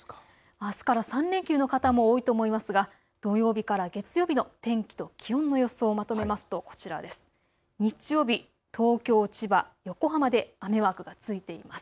あすから３連休の方も多いと思いますが土曜日から月曜日の天気と気温の様子、まとめますと日曜日、東京、千葉、横浜で雨マークが付いています。